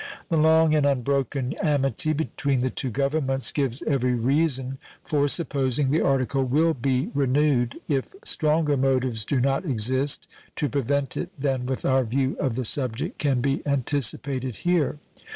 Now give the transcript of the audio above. The long and unbroken amity between the two Governments gives every reason for supposing the article will be renewed, if stronger motives do not exist to prevent it than with our view of the subject can be anticipated here.